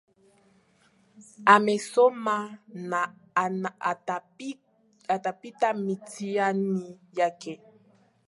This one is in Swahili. Amesoma na atapita mitihani yake